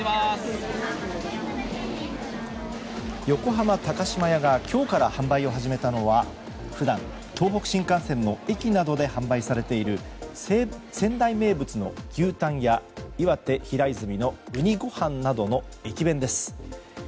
横浜高島屋が今日から販売を始めたのは普段、東北新幹線の駅などで販売されている仙台名物の牛タンや岩手・平泉のうにごはんなどの駅弁です。